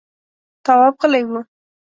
تواب غلی و…